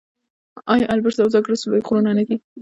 آیا البرز او زاگرس لوی غرونه نه دي؟